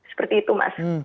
seperti itu mas